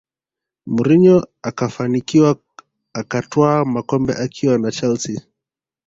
Mourinho akafanikiwa akatwaa makombe akiwa na chelsea